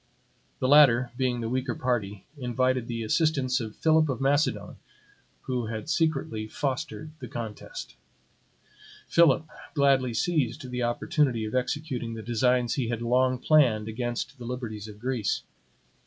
The latter, being the weaker party, invited the assistance of Philip of Macedon, who had secretly fostered the contest. Philip gladly seized the opportunity of executing the designs he had long planned against the liberties of Greece.